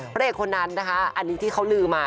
พระเอกคนนั้นนะคะอันนี้ที่เขาลืมมา